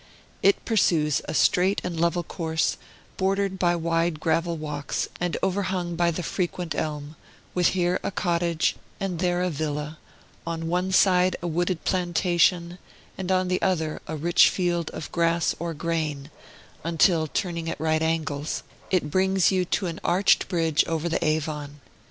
It pursues a straight and level course, bordered by wide gravel walks and overhung by the frequent elm, with here a cottage and there a villa, on one side a wooded plantation, and on the other a rich field of grass or grain, until, turning at right angles, it brings you to an arched bridge over the Avon.